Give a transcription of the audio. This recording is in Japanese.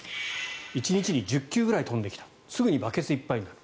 １日に１０球ぐらい飛んできたすぐにバケツいっぱいになる。